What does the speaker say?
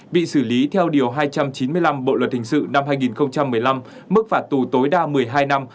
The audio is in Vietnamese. bị xử lý theo điều hai trăm chín mươi năm bộ luật hình sự năm hai nghìn một mươi năm mức phạt tù tối đa một mươi hai năm